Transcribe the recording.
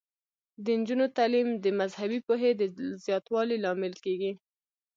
د نجونو تعلیم د مذهبي پوهې د زیاتوالي لامل کیږي.